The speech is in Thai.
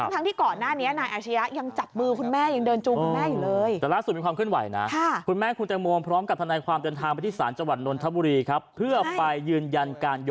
ทั้งที่ก่อนหน้านี้นายอาชียะยังจับมือคุณแม่ยังเดินจูงคุณแม่อยู่เลย